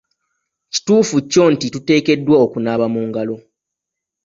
Kituufu kyo nti tuteekeddwa okunaaba mu ngalo.